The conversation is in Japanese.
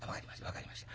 分かりました。